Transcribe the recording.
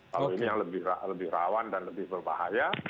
kalau ini yang lebih rawan dan lebih berbahaya